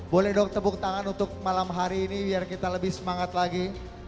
boleh dong tepuk tangan untuk malam hari ini biar kita lebih semangat lagi